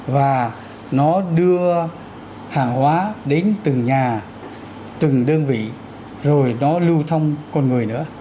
và nó đưa hàng hóa đến từng nhà từng đơn vị rồi nó lưu thông con người nữa